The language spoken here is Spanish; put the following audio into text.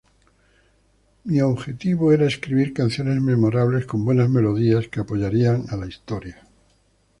Mi objetivo era escribir canciones memorables con buenas melodías que apoyarían a la historia...